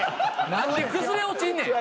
何で崩れ落ちんねん。